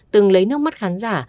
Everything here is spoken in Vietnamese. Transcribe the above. từng lấy nước mắt khán giả